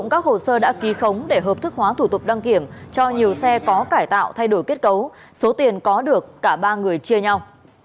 cho nhiều xe có cải tạo thay đổi kết cấu số tiền có được cả ba người chia nhau